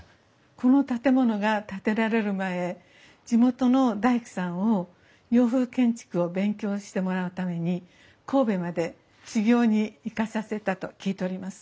この建物が建てられる前地元の大工さんを洋風建築を勉強してもらうために神戸まで修業に行かさせたと聞いております。